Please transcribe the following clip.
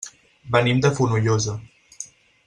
Venim de Fonollosa.